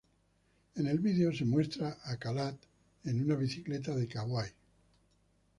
En el vídeo, se muestra a Caillat en una bicicleta en Kauai.